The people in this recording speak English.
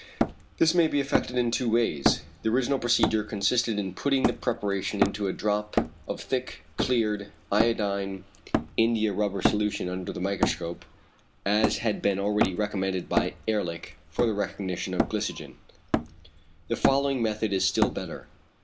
_ This may be effected in two ways. The original procedure consisted in putting the preparation into a drop of thick cleared iodine indiarubber solution under the microscope, as had been already recommended by Ehrlich for the recognition of glycogen. The following method is still better.